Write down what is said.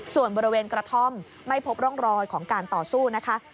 ส่วนบริเวณกระท่อมไม่พบร่องรอยของการต่อสู้นะคะ